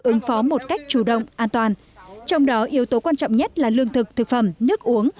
ứng phó một cách chủ động an toàn trong đó yếu tố quan trọng nhất là lương thực thực phẩm nước uống